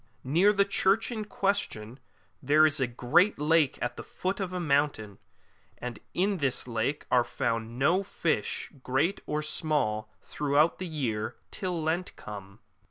Near the church in question there is a great lake at the foot of a mountain, and in this lake are found no fish, great or small, throughout the year till Lent come.